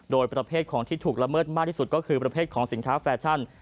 โดยประเภทของที่ถูกละเมิดมากที่สุดก็คือประเภทของสินค้าแฟชั่น